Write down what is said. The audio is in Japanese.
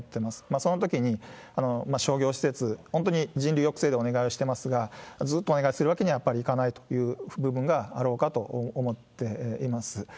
そのときに商業施設、本当に人流抑制でお願いをしてますが、ずっとお願いするわけにはやっぱりいかないという部分があろうかと思っています。